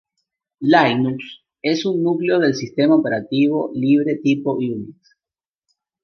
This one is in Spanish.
Linux es un núcleo de sistema operativo libre tipo Unix.